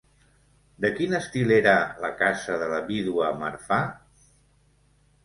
De quin estil era la casa de la vídua Marfà?